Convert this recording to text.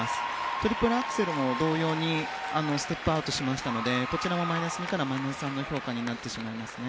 トリプルアクセルも同様にステップアウトしましたのでこちらもマイナス２からマイナス３の評価になります。